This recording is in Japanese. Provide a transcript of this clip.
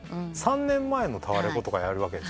３年前のタワレコとかやるわけです。